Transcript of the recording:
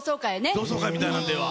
同窓会みたいなのでは。